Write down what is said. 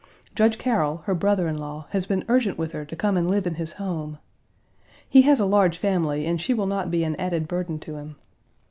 Judge Carroll, her brother in law, has been urgent with her to come and live in his home. He has a large family and she will not be an added burden to him.